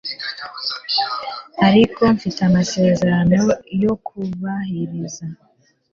Ariko mfite amasezerano yo kubahiriza